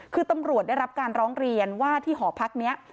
คือตำรวจได้รับการร้องเรียนว่าที่หอพักนี้